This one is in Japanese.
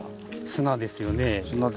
砂ですよね。